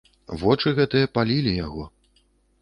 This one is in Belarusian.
Вочы гэтыя палілі яго.